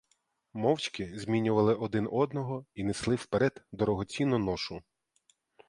Мовчки змінювали один одного і несли вперед дорогоцінну ношу.